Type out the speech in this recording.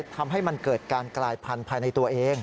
ทำให้มันเกิดการกลายพันธุ์ภายในตัวเอง